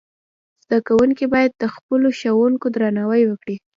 زدهکوونکي باید د خپلو ښوونکو درناوی وکړي.